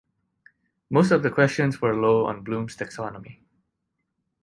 Most of the questions were low on Bloom’s taxonomy